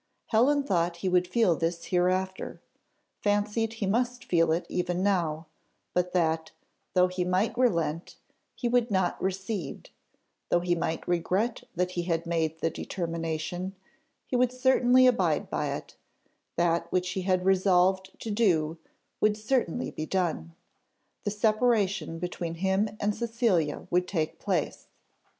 Helen thought he would feel this hereafter, fancied he must feel it even now, but that, though he might relent, he would not recede; though he might regret that he had made the determination, he would certainly abide by it; that which he had resolved to do, would certainly be done, the separation between him and Cecilia would take place.